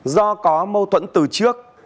do có mâu thuẫn từ trước